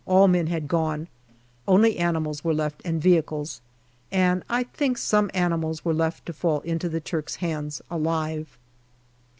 all men had gone; only animals were left and vehicles, and I think some animals were left to fall into the Turks' hands alive.